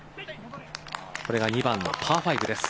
これが２番のパー５です。